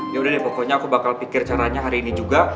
ya udah deh pokoknya aku bakal pikir caranya hari ini juga